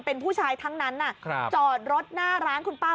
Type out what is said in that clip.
เป็นผู้ชายทั้งนั้นจอดรถหน้าร้านคุณป้า